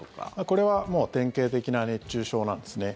これはもう典型的な熱中症なんですね。